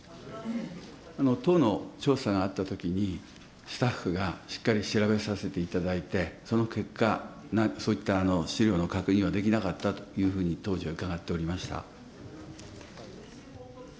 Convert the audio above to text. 党の調査があったときに、スタッフがしっかり調べさせていただいて、その結果、そういった資料の確認はできなかったというふうに、当時は伺っておりました。